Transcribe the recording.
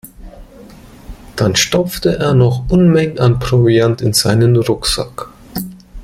Dann stopfte er noch Unmengen an Proviant in seinen Rucksack.